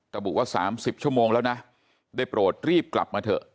ระบุว่า๓๐ชั่วโมงแล้วนะได้โปรดรีบกลับมาเถอะ